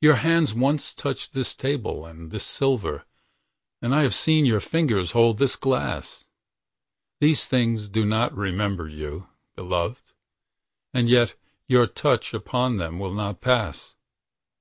Your hands once touched this table and this silver, And I have seen your fingers hold this glass. These things do not remember you, beloved:And yet your touch upon them will not pass.